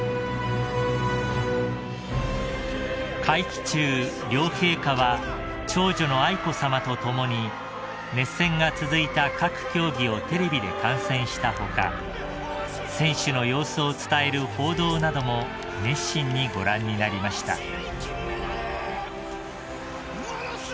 ［会期中両陛下は長女の愛子さまと共に熱戦が続いた各競技をテレビで観戦した他選手の様子を伝える報道なども熱心にご覧になりました］